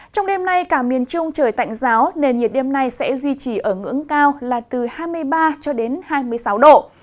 trong đêm nay cả miền trung trời tạnh giáo nền nhiệt đêm nay sẽ duy trì ở ngưỡng cao là từ hai mươi ba cho đến hai mươi sáu độ